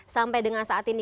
sampai dengan saat ini